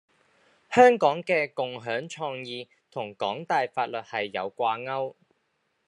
香港嘅「共享創意」同港大法律系有掛鉤